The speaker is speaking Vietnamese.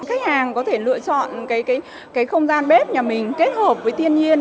khách hàng có thể lựa chọn cái không gian bếp nhà mình kết hợp với thiên nhiên